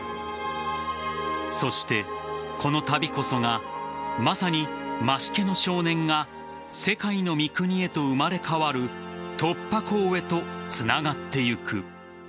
そして、この旅こそがまさに増毛の少年が世界の三國へと生まれ変わる突破口へとつながっていく。